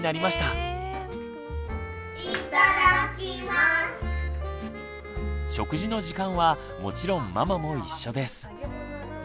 食事の時間はもちろんママも一緒です。